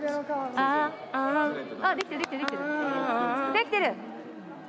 できてる！